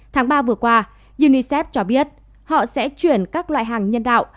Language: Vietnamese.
tháng ba vừa qua unicef cho biết họ sẽ chuyển các loại hàng nhân đạo